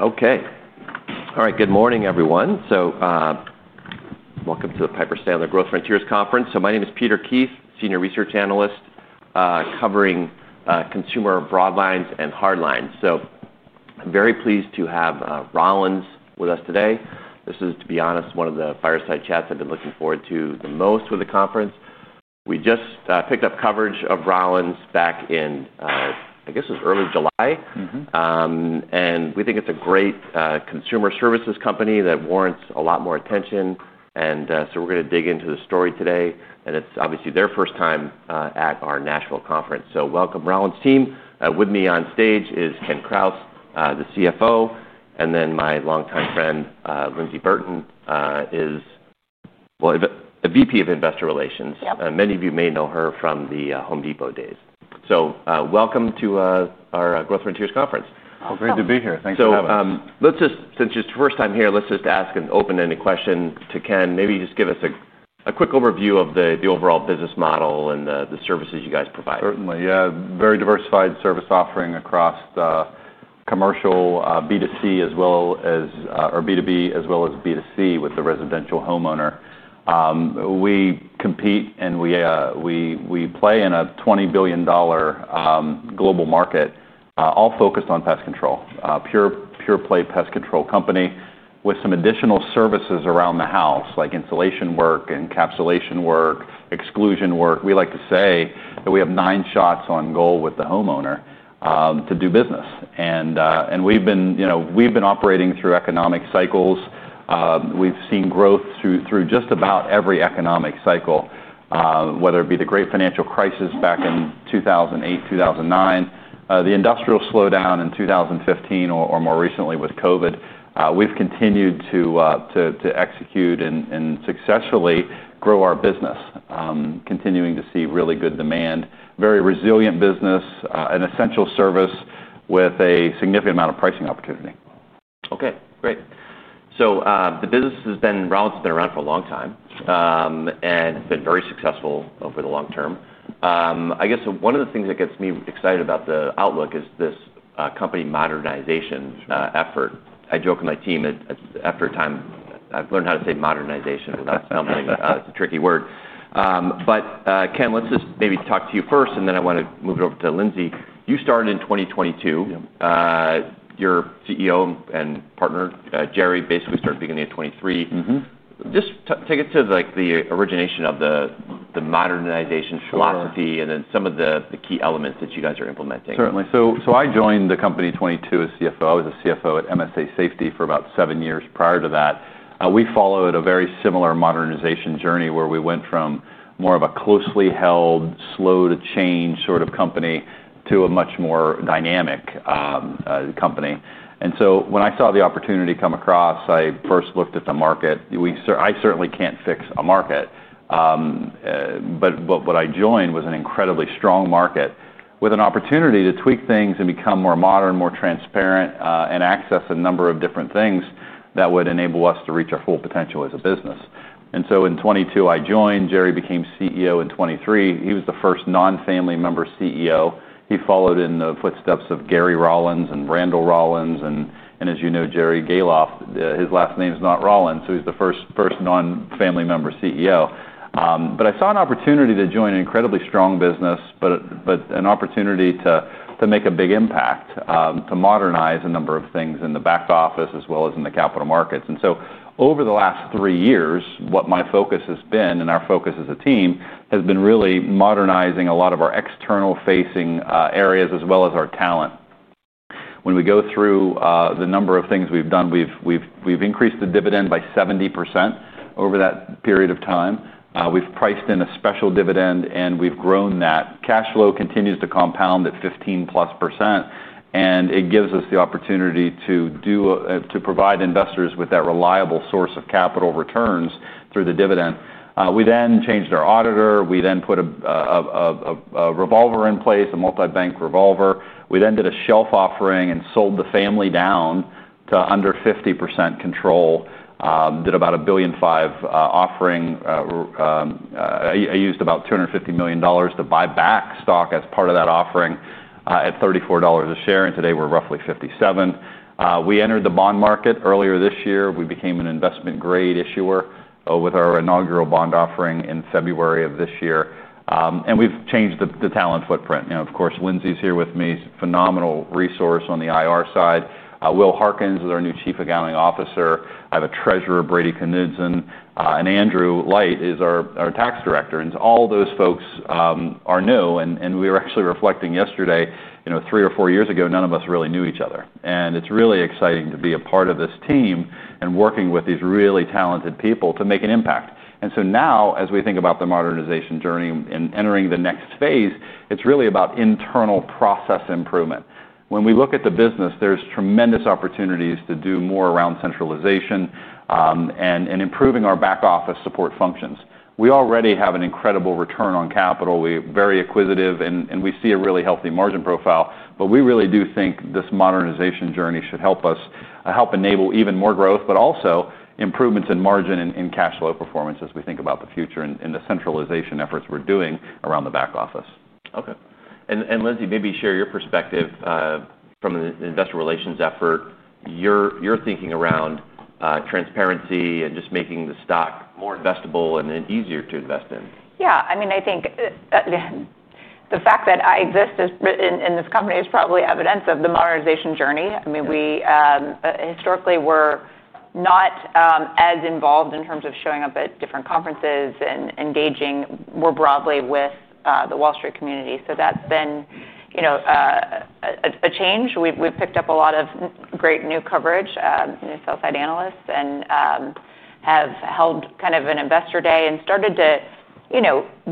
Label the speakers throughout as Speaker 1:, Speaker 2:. Speaker 1: Okay. All right. Good morning, everyone. Welcome to the Piper Sandler Growth Frontiers Conference. My name is Peter Keith, Senior Research Analyst, covering consumer broad lines and hard lines. I'm very pleased to have Rollins with us today. This is, to be honest, one of the fireside chats I've been looking forward to the most with the conference. We just picked up coverage of Rollins back in, I guess it was early July.
Speaker 2: Mm-hmm.
Speaker 1: We think it's a great consumer services company that warrants a lot more attention. We're going to dig into the story today. It's obviously their first time at our Nashville conference. Welcome, Rollins team. With me on stage is Ken Krause, the CFO, and then my longtime friend, Lyndsey Burton, as well, a VP of Investor Relations.
Speaker 3: Yep.
Speaker 1: Many of you may know her from the Home Depot days. Welcome to our Growth Frontiers Conference.
Speaker 2: Oh, great to be here. Thanks for having me.
Speaker 1: Let's just, since it's your first time here, ask an open-ended question to Ken. Maybe just give us a quick overview of the overall business model and the services you guys provide.
Speaker 2: Certainly. Yeah. Very diversified service offering across commercial, B2B as well as B2C with the residential homeowner. We compete and we play in a $20 billion global market, all focused on pest control. Pure play pest control company with some additional services around the house, like insulation work, encapsulation work, exclusion work. We like to say that we have nine shots on goal with the homeowner to do business. We've been operating through economic cycles. We've seen growth through just about every economic cycle, whether it be the great financial crisis back in 2008, 2009, the industrial slowdown in 2015, or more recently with COVID. We've continued to execute and successfully grow our business, continuing to see really good demand, very resilient business, an essential service with a significant amount of pricing opportunity.
Speaker 1: Great. The business has been, Rollins has been around for a long time, and it's been very successful over the long term. I guess one of the things that gets me excited about the outlook is this company modernization effort. I joke with my team, after a time, I've learned how to say modernization without sounding like a, it's a tricky word. Ken, let's just maybe talk to you first, and then I want to move it over to Lyndsey. You started in 2022.
Speaker 2: Yeah.
Speaker 1: Your CEO and partner, Jerry, basically started the beginning of 2023.
Speaker 2: Mm-hmm.
Speaker 1: Just take us to the origination of the modernization philosophy and then some of the key elements that you guys are implementing.
Speaker 2: Certainly. I joined the company in 2022 as CFO. I was a CFO at MSA Safety for about seven years prior to that. We followed a very similar modernization journey where we went from more of a closely held, slow-to-change sort of company to a much more dynamic company. When I saw the opportunity come across, I first looked at the market. I certainly can't fix a market, but what I joined was an incredibly strong market with an opportunity to tweak things and become more modern, more transparent, and access a number of different things that would enable us to reach our full potential as a business. In 2022, I joined. Jerry became CEO in 2023. He was the first non-family member CEO. He followed in the footsteps of Gary Rollins and Randall Rollins, and as you know, Jerry Gahlhoff, his last name's not Rollins. He's the first non-family member CEO. I saw an opportunity to join an incredibly strong business, but an opportunity to make a big impact, to modernize a number of things in the back office as well as in the capital markets. Over the last three years, my focus has been and our focus as a team has been really modernizing a lot of our external-facing areas as well as our talent. When we go through the number of things we've done, we've increased the dividend by 70% over that period of time. We've priced in a special dividend, and we've grown that. Cash flow continues to compound at 15+%. It gives us the opportunity to provide investors with that reliable source of capital returns through the dividend. We then changed our auditor. We then put a revolver in place, a multi-bank revolver. We then did a shelf offering and sold the family down to under 50% control. Did about a $1.5 billion offering. I used about $250 million to buy back stock as part of that offering, at $34 a share. Today, we're roughly 57. We entered the bond market earlier this year. We became an investment-grade issuer, with our inaugural bond offering in February of this year. We've changed the talent footprint. Of course, Lyndsey's here with me. Phenomenal resource on the IR side. Will Harkins is our new Chief Accounting Officer. I have a Treasurer, Brady Camp, and Andrew Light is our Tax Director. All those folks are new. We were actually reflecting yesterday, three or four years ago, none of us really knew each other. It's really exciting to be a part of this team and working with these really talented people to make an impact. As we think about the modernization journey and entering the next phase, it's really about internal process improvement. When we look at the business, there's tremendous opportunities to do more around centralization and improving our back-office support functions. We already have an incredible return on capital. We're very acquisitive, and we see a really healthy margin profile. We really do think this modernization journey should help us, help enable even more growth, but also improvements in margin and cash flow performance as we think about the future and the centralization efforts we're doing around the back office.
Speaker 1: Okay. Lyndsey, maybe share your perspective from an investor relations effort, your thinking around transparency and just making the stock more investable and easier to invest in.
Speaker 3: Yeah. I mean, I think the fact that I exist in this company is probably evidence of the modernization journey. We historically were not as involved in terms of showing up at different conferences and engaging more broadly with the Wall Street community. That's been a change. We've picked up a lot of great new coverage, new sell-side analysts, and have held kind of an investor day and started to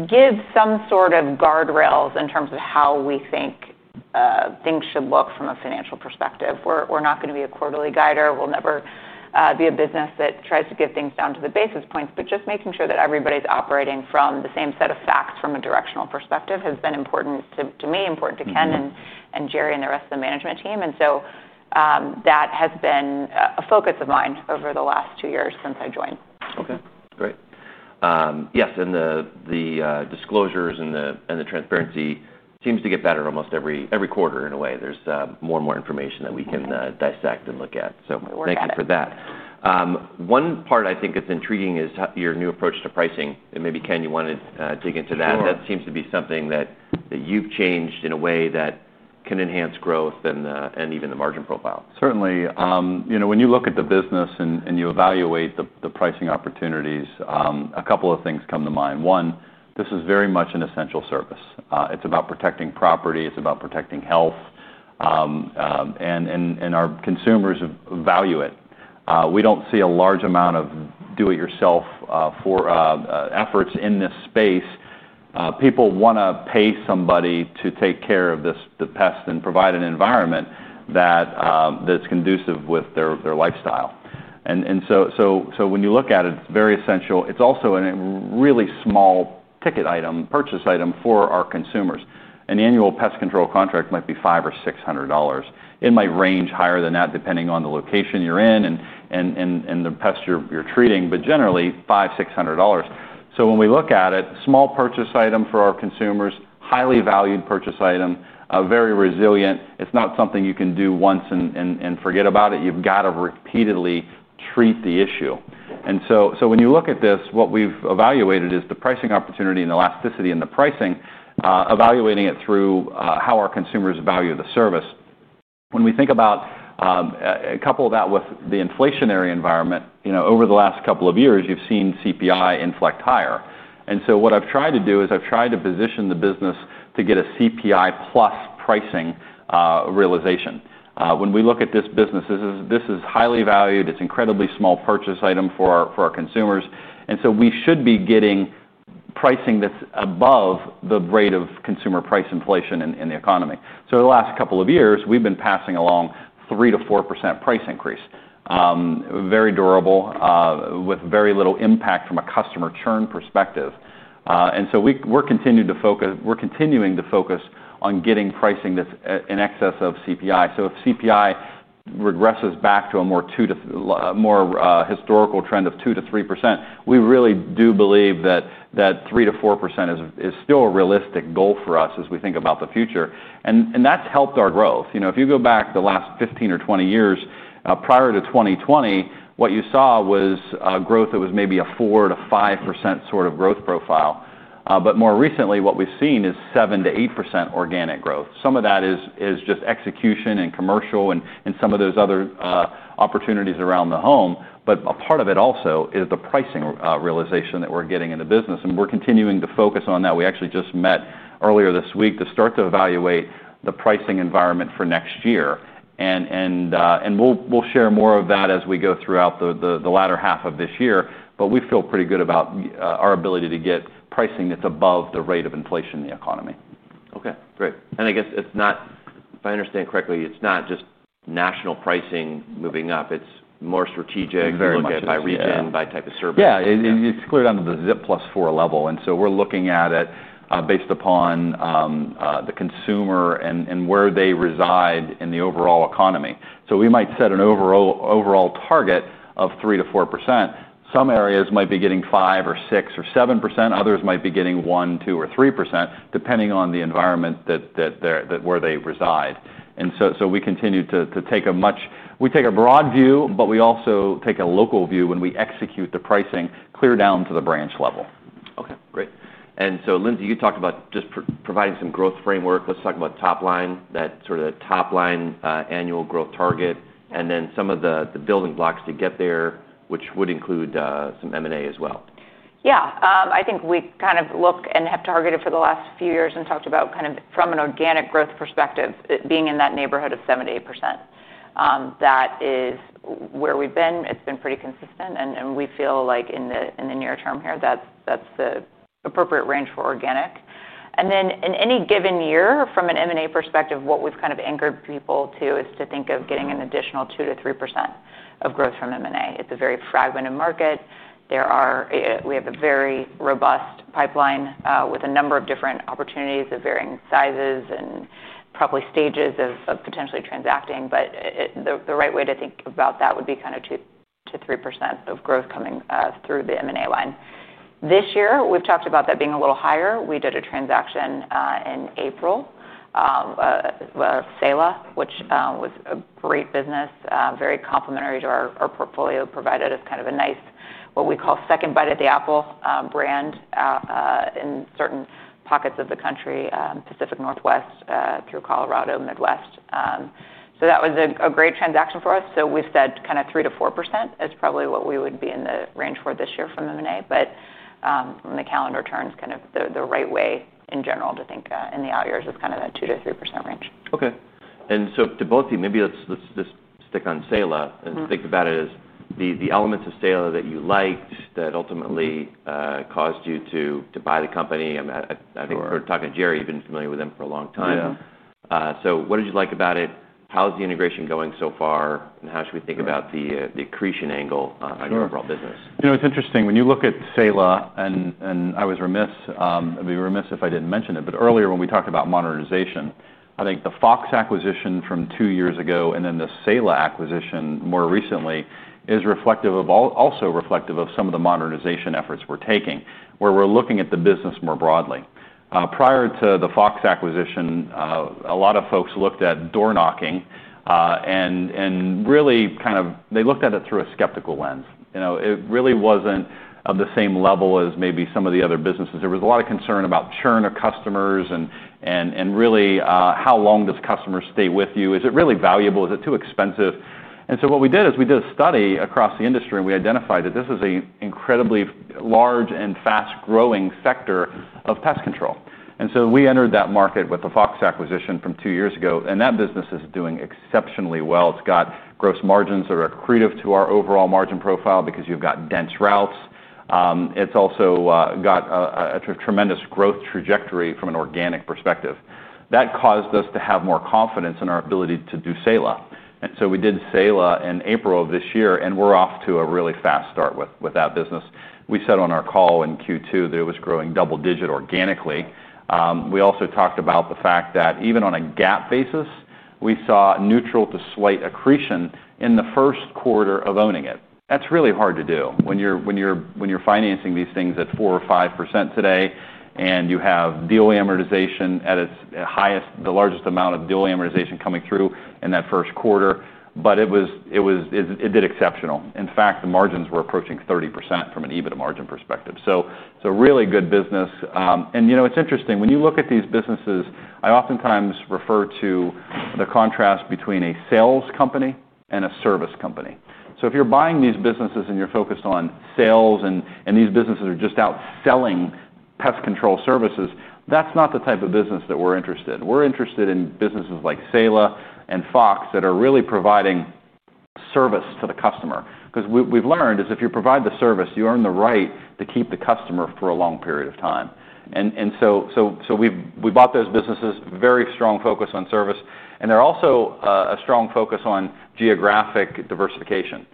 Speaker 3: give some sort of guardrails in terms of how we think things should look from a financial perspective. We're not going to be a quarterly guider. We'll never be a business that tries to give things down to the basis points. Just making sure that everybody's operating from the same set of facts from a directional perspective has been important to me, important to Ken and Jerry and the rest of the management team. That has been a focus of mine over the last two years since I joined.
Speaker 1: Okay. Great. Yes, the disclosures and the transparency seem to get better almost every quarter in a way. There's more and more information that we can dissect and look at. Thank you for that.
Speaker 2: We're working on it.
Speaker 1: One part I think that's intriguing is your new approach to pricing. Maybe, Ken, you want to dig into that.
Speaker 2: Sure.
Speaker 1: That seems to be something that you've changed in a way that can enhance growth and even the margin profile.
Speaker 2: Certainly. You know, when you look at the business and you evaluate the pricing opportunities, a couple of things come to mind. One, this is very much an essential service. It's about protecting property. It's about protecting health, and our consumers value it. We don't see a large amount of do-it-yourself efforts in this space. People want to pay somebody to take care of the pest and provide an environment that's conducive with their lifestyle. When you look at it, it's very essential. It's also a really small ticket purchase item for our consumers. An annual pest control contract might be $500 or $600. It might range higher than that depending on the location you're in and the pest you're treating, but generally, $500, $600. When we look at it, small purchase item for our consumers, highly valued purchase item, very resilient. It's not something you can do once and forget about it. You've got to repeatedly treat the issue. When you look at this, what we've evaluated is the pricing opportunity and elasticity in the pricing, evaluating it through how our consumers value the service. When we think about, a couple of that with the inflationary environment, over the last couple of years, you've seen CPI inflect higher. What I've tried to do is I've tried to position the business to get a CPI plus pricing realization. When we look at this business, this is highly valued. It's an incredibly small purchase item for our consumers, and we should be getting pricing that's above the rate of consumer price inflation in the economy. The last couple of years, we've been passing along 3% to 4% price increase, very durable, with very little impact from a customer churn perspective. We are continuing to focus on getting pricing that's in excess of CPI. If CPI regresses back to a more historical trend of 2% to 3%, we really do believe that 3% to 4% is still a realistic goal for us as we think about the future. That's helped our growth. If you go back the last 15 or 20 years, prior to 2020, what you saw was growth that was maybe a 4% to 5% sort of growth profile, but more recently, what we've seen is 7% to 8% organic growth. Some of that is just execution and commercial and some of those other opportunities around the home. A part of it also is the pricing realization that we're getting in the business, and we're continuing to focus on that. We actually just met earlier this week to start to evaluate the pricing environment for next year, and we'll share more of that as we go throughout the latter half of this year. We feel pretty good about our ability to get pricing that's above the rate of inflation in the economy.
Speaker 1: Okay. Great. I guess it's not, if I understand correctly, it's not just national pricing moving up. It's more strategic.
Speaker 2: Exactly.
Speaker 1: You look at it by region, by type of service.
Speaker 2: Yeah. It's cleared on the ZIP plus 4 level, and we're looking at it based upon the consumer and where they reside in the overall economy. We might set an overall target of 3% to 4%. Some areas might be getting 5%, 6%, or 7%. Others might be getting 1%, 2%, or 3% depending on the environment where they reside. We continue to take a broad view, but we also take a local view when we execute the pricing clear down to the branch level.
Speaker 1: Okay. Great. Lyndsey, you talked about just providing some growth framework. Let's talk about top line, that sort of the top line, annual growth target, and then some of the building blocks to get there, which would include some M&A as well.
Speaker 3: Yeah. I think we kind of look and have targeted for the last few years and talked about kind of from an organic growth perspective, it being in that neighborhood of 7% to 8%. That is where we've been. It's been pretty consistent, and we feel like in the near term here, that's the appropriate range for organic. In any given year, from an M&A perspective, what we've kind of anchored people to is to think of getting an additional 2% to 3% of growth from M&A. It's a very fragmented market. We have a very robust pipeline, with a number of different opportunities of varying sizes and probably stages of potentially transacting. The right way to think about that would be kind of 2% to 3% of growth coming through the M&A line. This year, we've talked about that being a little higher. We did a transaction in April of Saela Pest Control, which was a great business, very complementary to our portfolio, provided us kind of a nice, what we call second bite at the apple, brand, in certain pockets of the country, Pacific Northwest, through Colorado, Midwest. That was a great transaction for us. We've said kind of 3% to 4% is probably what we would be in the range for this year from M&A. When the calendar turns, the right way in general to think, in the out years, it's kind of that 2% to 3% range.
Speaker 1: Okay. To both of you, maybe let's just stick on Saela and think about it as the elements of Saela that you liked that ultimately caused you to buy the company. I mean, I think we're talking to Jerry. You've been familiar with them for a long time.
Speaker 2: Yeah.
Speaker 1: What did you like about it? How's the integration going so far? How should we think about the accretion angle on your overall business?
Speaker 2: You know, it's interesting. When you look at Saela, I was remiss, I'd be remiss if I didn't mention it. Earlier, when we talked about modernization, I think the Fox Pest Control acquisition from two years ago and then the Saela Pest Control acquisition more recently is also reflective of some of the modernization efforts we're taking, where we're looking at the business more broadly. Prior to the Fox Pest Control acquisition, a lot of folks looked at door knocking, and they looked at it through a skeptical lens. It really wasn't of the same level as maybe some of the other businesses. There was a lot of concern about churn of customers and really, how long do customers stay with you? Is it really valuable? Is it too expensive? What we did is we did a study across the industry, and we identified that this is an incredibly large and fast-growing sector of pest control. We entered that market with the Fox Pest Control acquisition from two years ago. That business is doing exceptionally well. It's got gross margins that are accretive to our overall margin profile because you've got dense routes. It's also got a tremendous growth trajectory from an organic perspective. That caused us to have more confidence in our ability to do Saela Pest Control. We did Saela Pest Control in April of this year, and we're off to a really fast start with that business. We said on our call in Q2 that it was growing double digit organically. We also talked about the fact that even on a GAAP basis, we saw neutral to slight accretion in the first quarter of owning it. That's really hard to do when you're financing these things at 4% or 5% today, and you have deal amortization at its highest, the largest amount of deal amortization coming through in that first quarter. It did exceptional. In fact, the margins were approaching 30% from an EBITDA margin perspective. Really good business. You know, it's interesting. When you look at these businesses, I oftentimes refer to the contrast between a sales company and a service company. If you're buying these businesses and you're focused on sales and these businesses are just out selling pest control services, that's not the type of business that we're interested in. We're interested in businesses like Saela Pest Control and Fox Pest Control that are really providing service to the customer. What we've learned is if you provide the service, you earn the right to keep the customer for a long period of time. We bought those businesses with a very strong focus on service. There is also a strong focus on geographic diversification.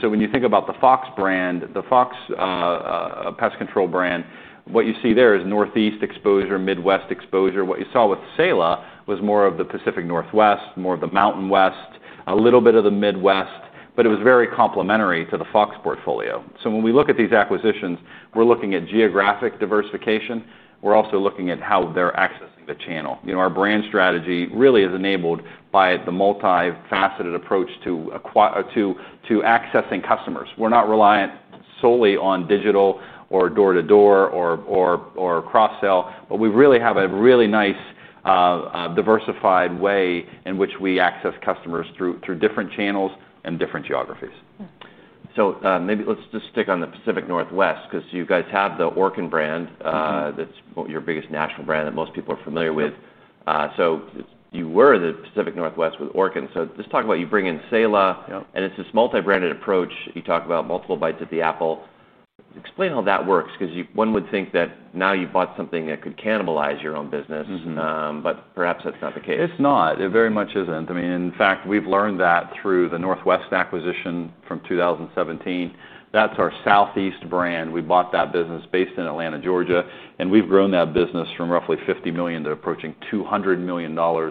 Speaker 2: When you think about the Fox Pest Control brand, what you see there is northeast exposure and midwest exposure. What you saw with Saela Pest Control was more of the Pacific Northwest, more of the mountain west, a little bit of the midwest, but it was very complementary to the Fox portfolio. When we look at these acquisitions, we're looking at geographic diversification. We're also looking at how they're accessing the channel. Our brand strategy really is enabled by the multifaceted approach to accessing customers. We're not reliant solely on digital or door-to-door or cross-sell. We really have a nice, diversified way in which we access customers through different channels and different geographies.
Speaker 1: Maybe let's just stick on the Pacific Northwest because you guys have the Orkin brand. That's your biggest national brand that most people are familiar with. You were the Pacific Northwest with Orkin. Just talk about you bring in Saela.
Speaker 2: Yep.
Speaker 1: It's this multi-branded approach. You talk about multiple bites at the apple. Explain how that works because you would think that now you bought something that could cannibalize your own business.
Speaker 2: Mm-hmm.
Speaker 1: Perhaps that's not the case.
Speaker 2: It's not. It very much isn't. In fact, we've learned that through the Northwest acquisition from 2017. That's our Southeast brand. We bought that business based in Atlanta, Georgia, and we've grown that business from roughly $50 million to approaching $200 million over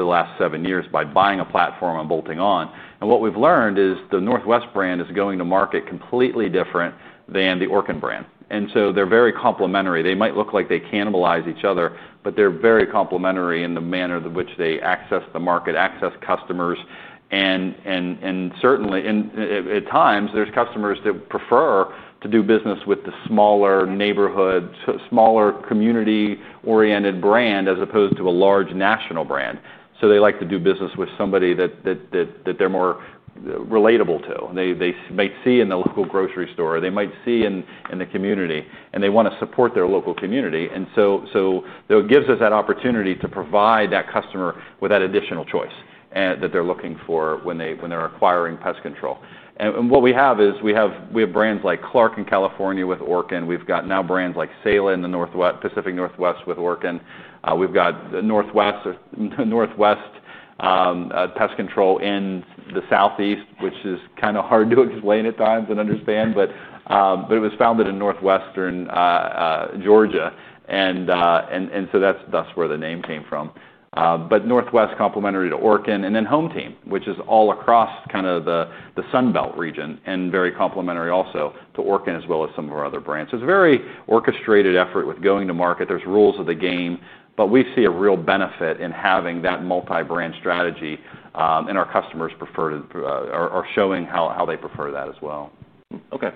Speaker 2: the last seven years by buying a platform and bolting on. What we've learned is the Northwest brand is going to market completely different than the Orkin brand, and so they're very complementary. They might look like they cannibalize each other, but they're very complementary in the manner in which they access the market, access customers. Certainly, at times, there are customers that prefer to do business with the smaller neighborhood, smaller community-oriented brand as opposed to a large national brand. They like to do business with somebody that they're more relatable to. They might see them in the local grocery store, they might see them in the community, and they want to support their local community. That gives us that opportunity to provide that customer with that additional choice that they're looking for when they're acquiring pest control. We have brands like Clark Pest Control in California with Orkin. We've got now brands like Saela Pest Control in the Pacific Northwest with Orkin. We've got Northwest Exterminating in the Southeast, which is kind of hard to explain at times and understand, but it was founded in Northwestern Georgia, and that's where the name came from. Northwest is complementary to Orkin. Then HomeTeam Pest Defense, Inc., which is all across the Sunbelt region and very complementary also to Orkin as well as some of our other brands. It's a very orchestrated effort with going to market. There are rules of the game, but we see a real benefit in having that multi-brand strategy, and our customers are showing how they prefer that as well.
Speaker 1: Okay.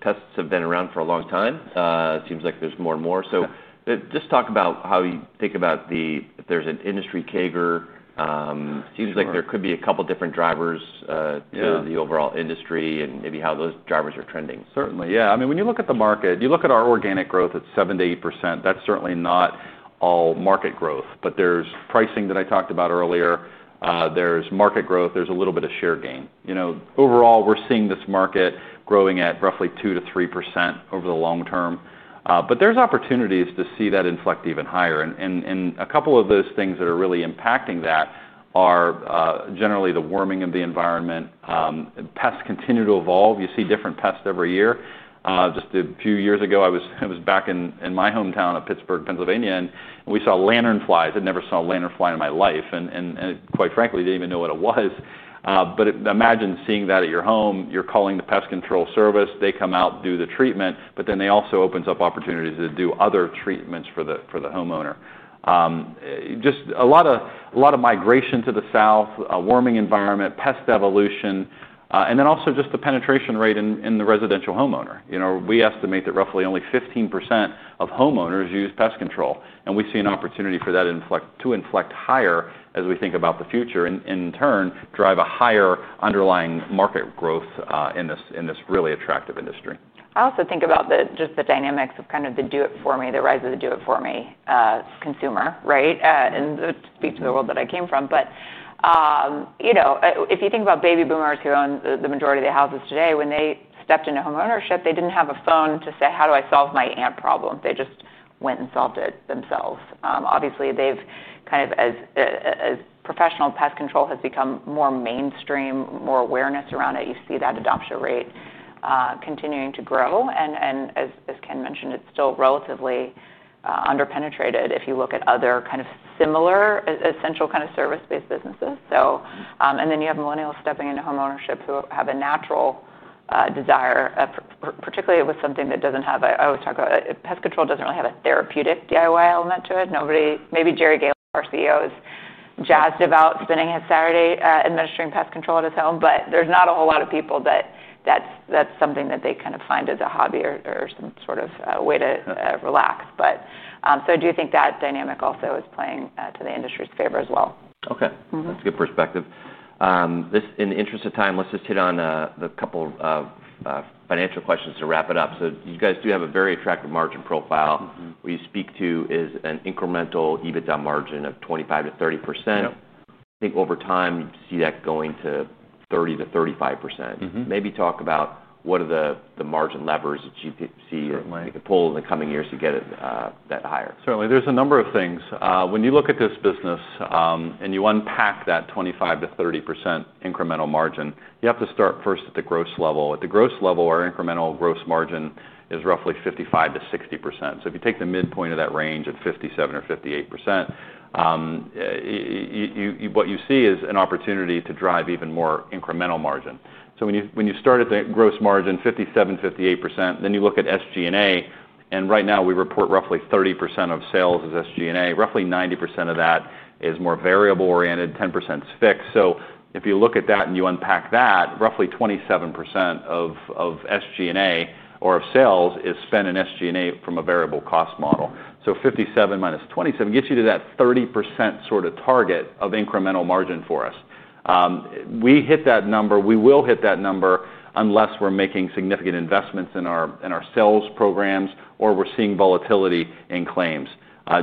Speaker 1: Pests have been around for a long time. It seems like there's more and more.
Speaker 2: Yeah.
Speaker 1: Can you talk about how you think about if there's an industry CAGR? It seems like there could be a couple different drivers to the overall industry and maybe how those drivers are trending.
Speaker 2: Certainly. Yeah. I mean, when you look at the market, you look at our organic growth at 7% to 8%. That's certainly not all market growth. There's pricing that I talked about earlier, there's market growth, there's a little bit of share gain. Overall, we're seeing this market growing at roughly 2% to 3% over the long term, but there's opportunities to see that inflect even higher. A couple of those things that are really impacting that are generally the warming of the environment. Pests continue to evolve. You see different pests every year. Just a few years ago, I was back in my hometown of Pittsburgh, Pennsylvania, and we saw lanternflies. I'd never seen a lanternfly in my life, and quite frankly, I didn't even know what it was. Imagine seeing that at your home. You're calling the pest control service, they come out, do the treatment, but then they also open up opportunities to do other treatments for the homeowner. There's a lot of migration to the south, a warming environment, pest evolution, and then also just the penetration rate in the residential homeowner. We estimate that roughly only 15% of homeowners use pest control, and we see an opportunity for that to inflect higher as we think about the future and in turn drive a higher underlying market growth in this really attractive industry.
Speaker 3: I also think about just the dynamics of kind of the do-it-for-me, the rise of the do-it-for-me consumer, right? That speaks to the world that I came from. If you think about baby boomers who own the majority of the houses today, when they stepped into homeownership, they didn't have a phone to say, "How do I solve my ant problem?" They just went and solved it themselves. Obviously, as professional pest control has become more mainstream, with more awareness around it, you see that adoption rate continuing to grow. As Ken mentioned, it's still relatively underpenetrated if you look at other similar essential service-based businesses. Then you have millennials stepping into homeownership who have a natural desire, particularly with something that doesn't have a—I always talk about it. Pest control doesn't really have a therapeutic DIY element to it. Nobody, maybe Jerry Gahlhoff, our CEO, is jazzed about spending his Saturday administering pest control at his home. There's not a whole lot of people that find that as a hobby or some sort of way to relax. I do think that dynamic also is playing to the industry's favor as well.
Speaker 1: Okay.
Speaker 3: Mhmm.
Speaker 1: That's a good perspective. In the interest of time, let's just hit on a couple of financial questions to wrap it up. You guys do have a very attractive margin profile.
Speaker 2: Mhmm.
Speaker 1: What you speak to is an incremental EBITDA margin of 25% to 30%.
Speaker 2: Yep.
Speaker 1: I think over time, you see that going to 30% to 35%.
Speaker 2: Mhmm.
Speaker 1: Maybe talk about what are the margin levers that you could see.
Speaker 2: Certainly.
Speaker 1: You could pull in the coming years to get it that higher.
Speaker 2: Certainly. There's a number of things. When you look at this business, and you unpack that 25% to 30% incremental margin, you have to start first at the gross level. At the gross level, our incremental gross margin is roughly 55% to 60%. If you take the midpoint of that range at 57% or 58%, what you see is an opportunity to drive even more incremental margin. When you start at the gross margin, 57%, 58%, then you look at SG&A, and right now we report roughly 30% of sales as SG&A. Roughly 90% of that is more variable-oriented, 10% is fixed. If you look at that and you unpack that, roughly 27% of SG&A or of sales is spent in SG&A from a variable cost model. 57% minus 27% gets you to that 30% sort of target of incremental margin for us. We hit that number. We will hit that number unless we're making significant investments in our sales programs or we're seeing volatility in claims.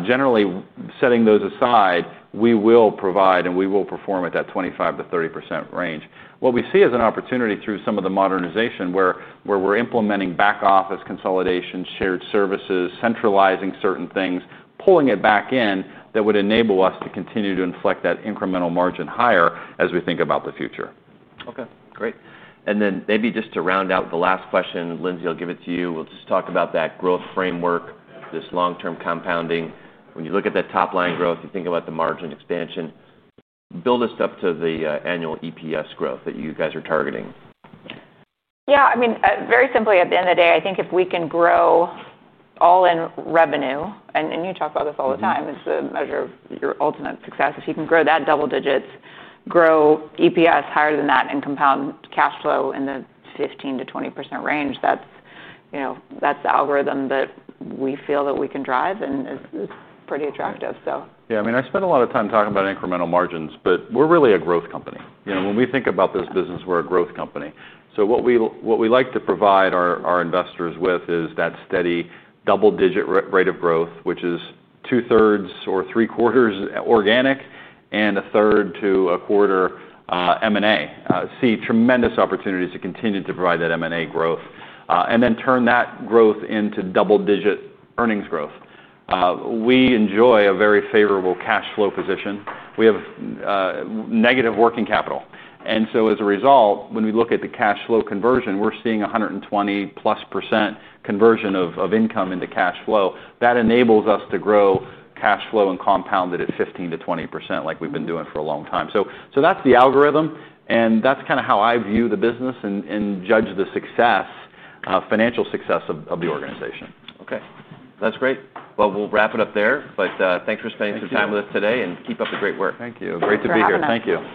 Speaker 2: Generally, setting those aside, we will provide and we will perform at that 25% to 30% range. What we see is an opportunity through some of the modernization where we're implementing back office consolidation, shared services, centralizing certain things, pulling it back in that would enable us to continue to inflect that incremental margin higher as we think about the future.
Speaker 1: Okay. Great. Maybe just to round out the last question, Lyndsey, I'll give it to you. We'll just talk about that growth framework, this long-term compounding. When you look at that top line growth, you think about the margin expansion, build us up to the annual EPS growth that you guys are targeting.
Speaker 3: Yeah. I mean, very simply, at the end of the day, I think if we can grow all in revenue, and you talk about this all the time, it's the measure of your ultimate success. If you can grow that double digits, grow EPS higher than that, and compound cash flow in the 15% to 20% range, that's, you know, that's the algorithm that we feel that we can drive, and it's pretty attractive.
Speaker 2: Yeah. I mean, I spent a lot of time talking about incremental margins, but we're really a growth company. You know, when we think about this business, we're a growth company. What we like to provide our investors with is that steady double-digit rate of growth, which is two-thirds or three-quarters organic, and one-third to a quarter M&A. I see tremendous opportunities to continue to provide that M&A growth, and then turn that growth into double-digit earnings growth. We enjoy a very favorable cash flow position. We have negative working capital. As a result, when we look at the cash flow conversion, we're seeing 120% plus conversion of income into cash flow. That enables us to grow cash flow and compound it at 15% to 20% like we've been doing for a long time. That's the algorithm, and that's kind of how I view the business and judge the financial success of the organization.
Speaker 1: Okay. That's great. We'll wrap it up there. Thanks for spending some time with us today and keep up the great work.
Speaker 2: Thank you. Great to be here. Thank you.